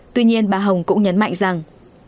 tuy nhiên bà hồng cũng nhấn mạnh rằng